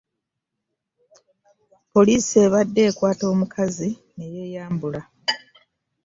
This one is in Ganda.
Poliisi ebadde ekwata omukazi ne yeyambula.